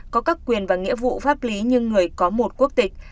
có các quyền và nghĩa vụ pháp lý như người có một quốc tịch